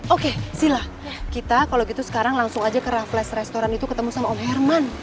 oke sila kita kalau gitu sekarang langsung aja ke raffles restoran itu ketemu sama om herman